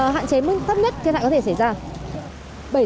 hạn cháy mới thấp nhất khiến hạn có thể xảy ra